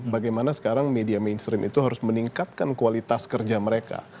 bagaimana sekarang media mainstream itu harus meningkatkan kualitas kerja mereka